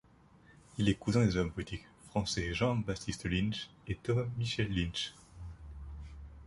Il est cousin des hommes politiques français Jean-Baptiste Lynch et Thomas-Michel Lynch.